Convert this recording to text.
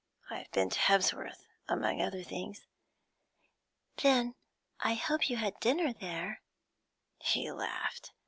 I have been to Hebsworth, among other things.' 'Then I hope you had dinner there?' He laughed.